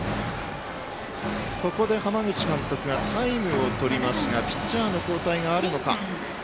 ここで浜口監督がタイムをとりますがピッチャーの交代があるのか。